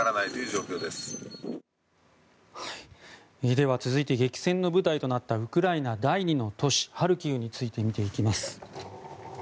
では、続いて激戦の舞台となったウクライナ第２の都市ハルキウについて見ていきます。